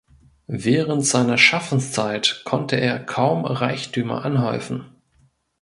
Während seiner Schaffenszeit konnte er kaum Reichtümer anhäufen.